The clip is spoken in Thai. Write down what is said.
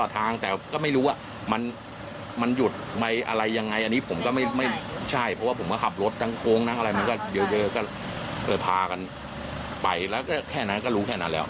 ทั้งโรงอะไรก็เยอะก็พากันไปแล้วแค่นั้นรู้แค่นั้นแล้ว